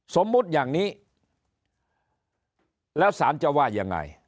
สมมุติอย่างนี้แล้วสารจะว่ายังไง